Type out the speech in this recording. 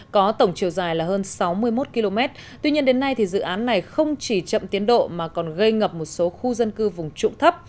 có tổng chiều dài là hơn sáu mươi một km tuy nhiên đến nay dự án này không chỉ chậm tiến độ mà còn gây ngập một số khu dân cư vùng trụng thấp